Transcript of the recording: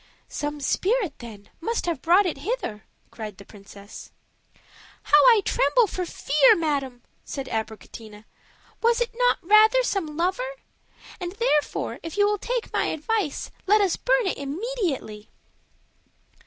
"Some spirit, then, must have brought it hither," cried the princess. "How I tremble for fear, madam!" said Abricotina. "Was it not rather some lover? And therefore, if you will take my advice, let us burn it immediately."